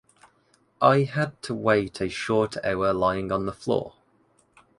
I had to wait a short hour lying on the floor.